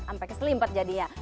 sampai keselimpet jadinya